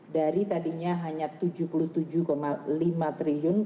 dari tadinya hanya rp tujuh puluh tujuh lima triliun